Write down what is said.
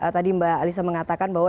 tadi mbak alisa mengatakan bahwa